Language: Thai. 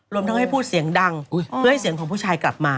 รวมทั้งให้พูดเสียงดังเพื่อให้เสียงของผู้ชายกลับมา